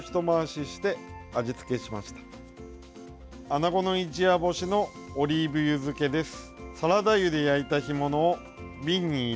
アナゴの一夜干しのオリーブ油漬けです。